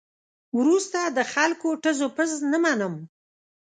وروسته د خلکو ټز او پز نه منم.